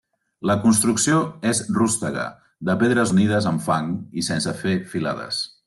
La construcció és rústega de pedres unides amb fang i sense fer filades.